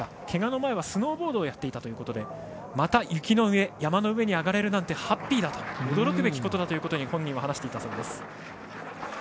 けがの前はスノーボードをやっていたということでまた雪の上、山の上に上がれるなんてハッピーだと驚くべきことなんだと本人は話していたそうです。